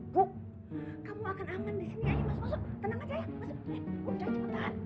bu kita gak punya siapa siapa lagi di sini